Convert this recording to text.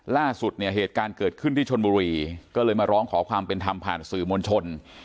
ล่าสุดเนี่ยเหตุการณ์เกิดขึ้นที่ชนบุรีก็เลยมาร้องขอความเป็นธรรมผ่านสื่อมวลชน